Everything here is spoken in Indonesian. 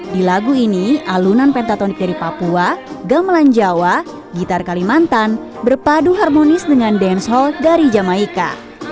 di lagu ini alunan pentatonik dari papua gamelan jawa gitar kalimantan berpadu harmonis dengan dance holl dari jamaika